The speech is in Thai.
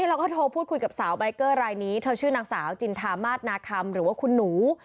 เราก็โทรพูดคุยกับสาวใบเกอร์รายนี้เธอชื่อนางสาวจินทามาสนาคำหรือว่าคุณหนู